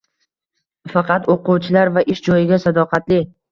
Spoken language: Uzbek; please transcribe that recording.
Faqat o‘quvchilar va ish joyiga sadoqatli.